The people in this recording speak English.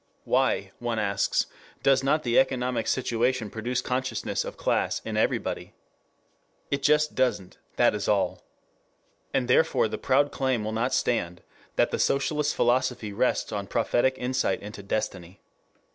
Why, one asks, does not the economic situation produce consciousness of class in everybody? It just doesn't, that is all. And therefore the proud claim will not stand that the socialist philosophy rests on prophetic insight into destiny.